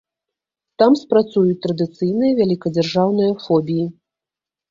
Там спрацуюць традыцыйныя вялікадзяржаўныя фобіі.